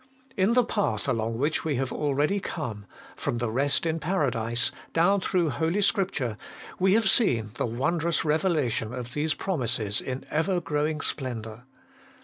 In the path along which we have already come, from the rest in Paradise down through Holy Scripture, we have 216 HOLY IN CHRIST. seen the wondrous revelation of these promises in ever growing splendour.